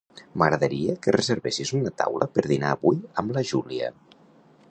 M'agradaria que reservessis una taula per dinar avui amb la Júlia.